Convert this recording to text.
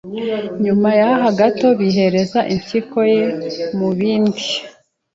nyuma yaho gato bihereza impyiko ye mu bindi